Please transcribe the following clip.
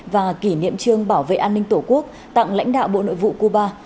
và kỷ niệm trương bảo vệ an ninh tổ quốc tặng lãnh đạo bộ nội vụ cuba